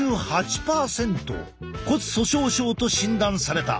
骨粗しょう症と診断された。